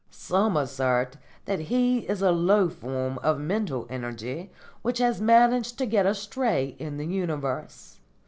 Some assert that he is a low form of mental energy which has managed to get astray in the universe.